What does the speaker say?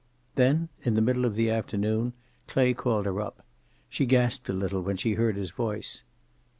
Then, in the middle of the afternoon, Clay called her up. She gasped a little when she heard his voice.